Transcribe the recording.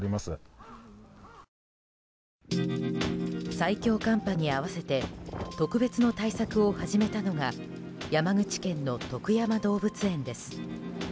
最強寒波に合わせて特別の対策を始めたのが山口県の徳山動物園です。